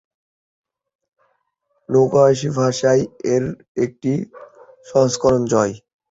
Nakayoshi ভাষায় এর একটি সংস্করণ, জয়!